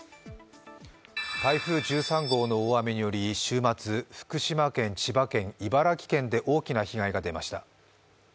台風１３号の大雨により、週末、福島県、千葉県、茨城県で大きな被害が出ました。